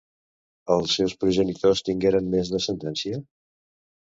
Els seus progenitors tingueren més descendència?